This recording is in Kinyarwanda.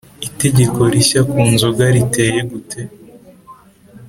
Itegeko rishya ku nzoga riteye gute?